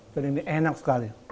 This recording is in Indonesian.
jadi ini enak sekali